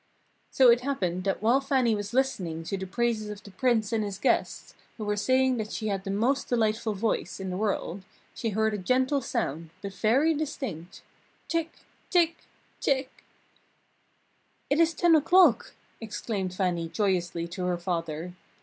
So it happened that while Fannie was listening to the praises of the Prince and his guests, who were saying that she had the most delightful voice in the world, she heard a gentle sound, but very distinct: "Tic! Tic! Tic!" "It is ten o'clock!" exclaimed Fannie joyously to her father.